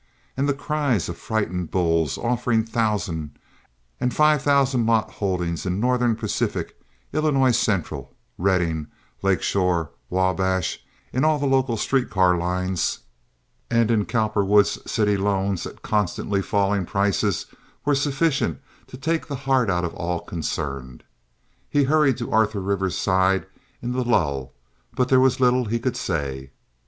And the cries of frightened "bulls" offering thousand and five thousand lot holdings in Northern Pacific, Illinois Central, Reading, Lake Shore, Wabash; in all the local streetcar lines; and in Cowperwood's city loans at constantly falling prices was sufficient to take the heart out of all concerned. He hurried to Arthur Rivers's side in the lull; but there was little he could say.